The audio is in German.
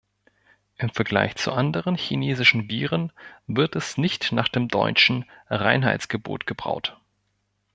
Im Vergleich zu anderen chinesischen Bieren wird es nicht nach dem Deutschen Reinheitsgebot gebraut.